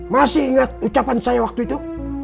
masih ingat ucapan saya waktu itu